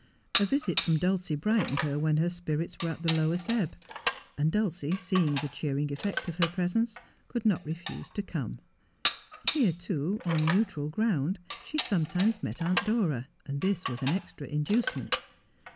A visit from Dulcie brightened her when her spirits were at the lowest ebb ; and Dulcie, seeing the cheering effect of her presence, could not refuse to come. Here, too, on neutral ground, she sometimes met Aunt Dora, and this was an extra inducement.